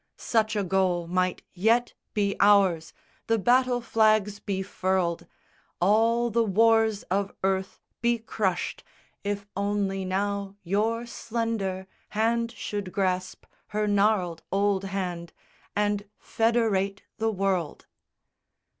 Such a goal might yet be ours! the battle flags be furled, All the wars of earth be crushed, if only now your slender Hand should grasp her gnarled old hand And federate the world.